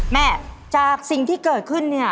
แม่จากสิ่งที่เกิดขึ้น